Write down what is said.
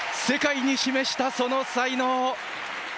世界に示したその才能。